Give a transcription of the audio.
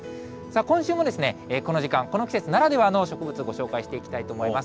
今週もこの時間、この季節ならではの植物、ご紹介していきたいと思います。